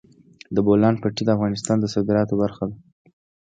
د بولان پټي د افغانستان د صادراتو برخه ده.